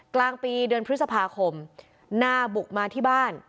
กลางปีเดือนพฤษภาคมนาบุกมาที่บ้าน